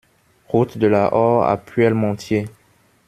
Route de la Horre à Puellemontier